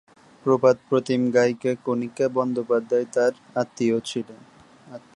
প্রবাদপ্রতিম গায়িকা কণিকা বন্দ্যোপাধ্যায় তাঁর আত্মীয়।